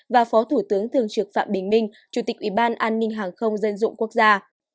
và phó thủ tướng thường trực phạm bình minh chủ tịch ủy ban an ninh hàng không dân dụng quốc gia